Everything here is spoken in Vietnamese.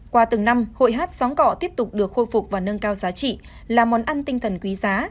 qua từng năm hội hát sóng cọ tiếp tục được khôi phục và nâng cao giá trị là món ăn tinh thần quý giá